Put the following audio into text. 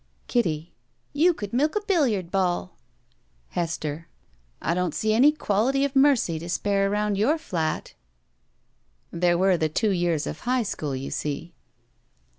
Kittt: "You could milk a billiard ball." Hbstbr: "I don't see any 'quality of mercy' to spare aroimd your flat." There were the two years of high school, you see.